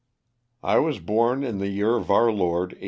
T WAS born in the year of our Lord, 1844.